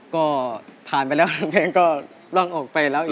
ก็ผ่านไปแล้วเพลงก็ล่องออกไปแล้ว